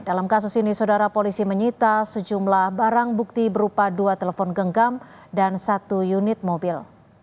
dalam kasus ini saudara polisi menyita sejumlah barang bukti berupa dua telepon genggam dan satu unit mobil